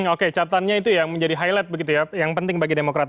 oke catatannya itu yang menjadi highlight begitu ya yang penting bagi demokrat